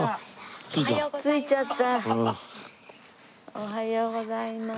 おはようございます。